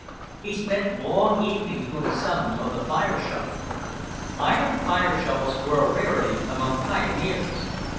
He spent long evenings doing sums on the fire shovel. Iron fire shovels were a rarity among pioneers.